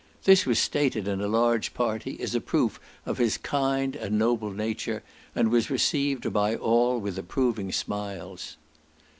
This was stated in a large party, as a proof of his kind and noble nature, and was received by all with approving smiles.